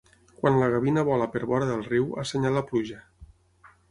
Quan la gavina vola per vora del riu, assenyala pluja.